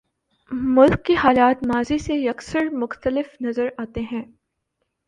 ملک کے حالات ماضی سے یکسر مختلف نظر آتے ہیں۔